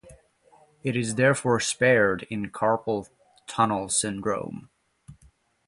It is therefore spared in carpal tunnel syndrome.